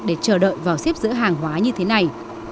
để chờ đợi vào xếp giữa hàng hóa như thế này